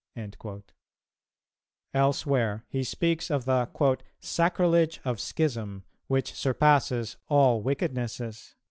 "[269:3] Elsewhere, he speaks of the "sacrilege of schism, which surpasses all wickednesses."